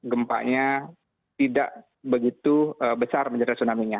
gempanya tidak begitu besar menjadikan tsunaminya